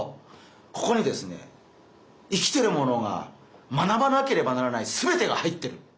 ここにですね生きてるものが学ばなければならないすべてが入ってる。